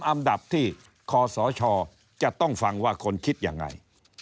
อันดับที่คศจะต้องฟังว่าคนคิดยังไง